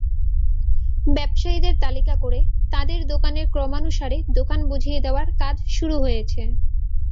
ব্যবসায়ীদের তালিকা করে তাঁদের দোকানের ক্রমানুসারে দোকান বুঝিয়ে দেওয়ার কাজ শুরু হয়েছে।